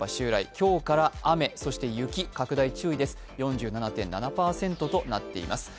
今日から雨そして雪、拡大注意です４７．７％となっています。